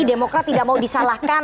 demokrat tidak mau disalahkan